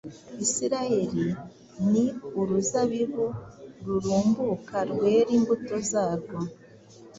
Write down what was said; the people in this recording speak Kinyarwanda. Isirayeli ni uruzabibu rurumbuka, rwera imbuto zarwo»